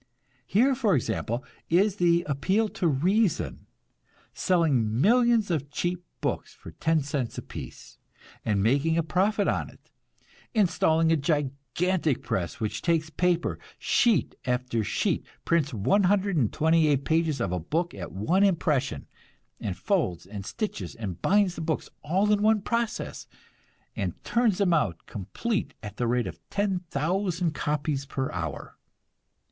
Here, for example, is the "Appeal to Reason" selling millions of cheap books for ten cents apiece, and making a profit on it; installing a gigantic press which takes paper, sheet after sheet, prints 128 pages of a book at one impression, and folds and stitches and binds the books, all in one process, and turns them out complete at the rate of 10,000 copies per hour.